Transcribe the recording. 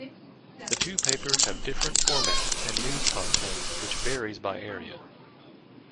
The two papers have different formats and news content which varies by area.